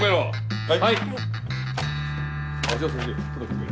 はい！